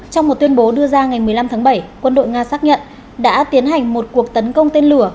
trong một tuyên bố đưa ra ngày một mươi năm tháng bảy quân đội nga xác nhận đã tiến hành một cuộc tấn công tên lửa